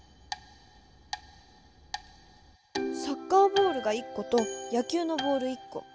サッカーボールが１こと野きゅうのボール１こ。